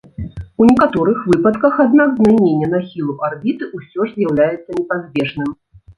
У некаторых выпадках, аднак, змяненне нахілу арбіты ўсё ж з'яўляецца непазбежным.